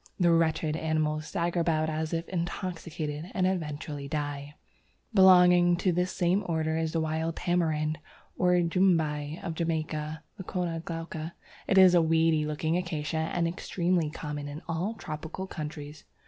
The wretched animals stagger about as if intoxicated, and eventually die. Belonging to this same order is the Wild Tamarind, or Jumbai, of Jamaica (Leucæna glauca). It is a weedy looking acacia, and extremely common in all tropical countries.